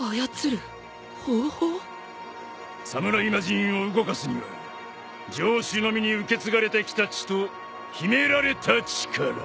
侍魔人を動かすには城主のみに受け継がれてきた血と秘められた力。